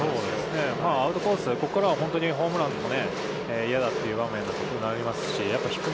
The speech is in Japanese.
アウトコースは、ここからはホームランが嫌だという場面になりますし。